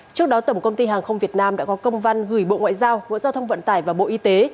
trước đó tổng công ty hàng không việt nam đã có công văn gửi bộ ngoại giao bộ giao thông vận tải và bộ y tế